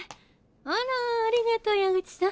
あらありがとう矢口さん。